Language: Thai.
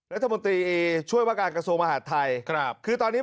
รัฐมนตรีช่วยพระการกัสวงก์อาหารไทยครับคือตอนนี้